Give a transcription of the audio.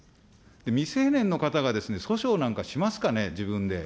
未成年の方が訴訟なんかしますかね、自分で。